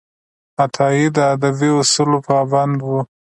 عطايي د ادبي اصولو پابند و.